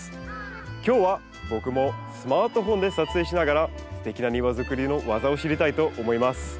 今日は僕もスマートフォンで撮影しながらすてきな庭づくりの技を知りたいと思います。